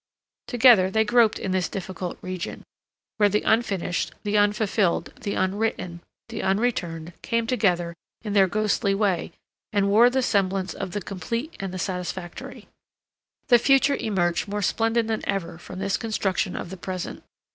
Together they groped in this difficult region, where the unfinished, the unfulfilled, the unwritten, the unreturned, came together in their ghostly way and wore the semblance of the complete and the satisfactory. The future emerged more splendid than ever from this construction of the present.